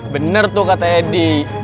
bener tuh kata eddy